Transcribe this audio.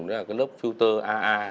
đó là lớp filter aa